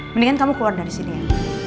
mendingan kamu keluar dari sini ya